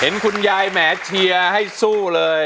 เห็นคุณยายแหมเชียร์ให้สู้เลย